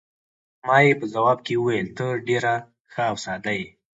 ما یې په ځواب کې وویل: ته ډېره ښه او ساده یې.